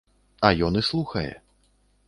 А ён і слухае.